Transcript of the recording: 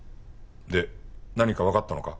で何かわかったのか？